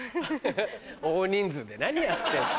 大人数で何やってんだ？